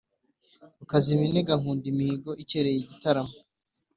Rukaziminega nkunda imihigo ikereye igitaramo.